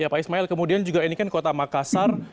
pak ismail kemudian juga ini kan kota makassar